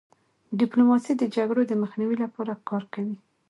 ډيپلوماسي د جګړو د مخنیوي لپاره کار کوي.